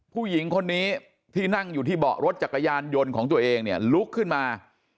ผู้หญิงคนนี้ที่นั่งอยู่ที่เบาะรถจักรยานยนต์ของตัวเองเนี่ยลุกขึ้นมา